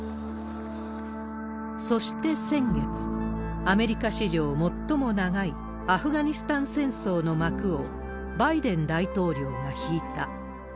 そして先月、アメリカ史上最も長いアフガニスタン戦争の幕をバイデン大統領が引いた。